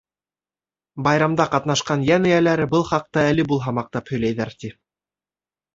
Байрамда ҡатнашҡан йән эйәләре был хаҡта әле булһа маҡтап һөйләйҙәр, ти.